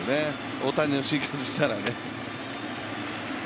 大谷の心境としたらね。